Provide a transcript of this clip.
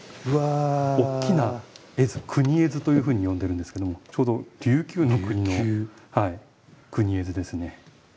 国絵図というふうに呼んでるんですけどもちょうど琉球の国の国絵図ですね。